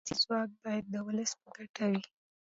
سیاسي ځواک باید د ولس په ګټه وي